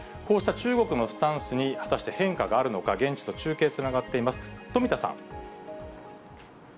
こうした中国のスタンスに果たして変化があるのか、現地と中継つながっています、富田さん。